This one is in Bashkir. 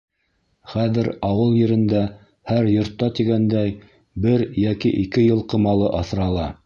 Хәҙер ауыл ерендә һәр йортта тигәндәй бер йәки ике йылҡы малы аҫрала.